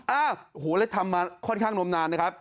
อ้าวแล้วทำมาค่อนข้างโน้มนานนะครับ